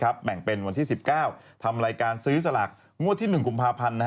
แบ่งเป็นวันที่๑๙ทำรายการซื้อสลากงวดที่๑กุมภาพันธ์